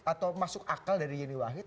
atau masuk akal dari yeni wahid